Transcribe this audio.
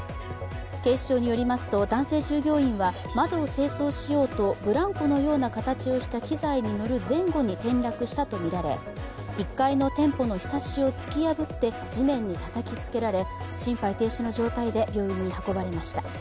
警視庁によりますと男性従業員は窓を清掃しようとブランコのような形をした機材に乗る転落したとみられ、１階の店舗のひさしを突き破って地面にたたきつけられ心肺停止の状態で病院に運ばれました。